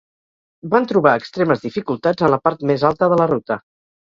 Van trobar extremes dificultats en la part més alta de la ruta.